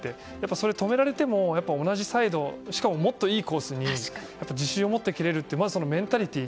それを止められても同じサイドしかももっといいコースに自信を持って蹴れるというメンタリティー。